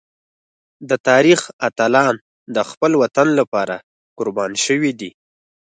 د تاریخ اتلان د خپل وطن لپاره قربان شوي دي.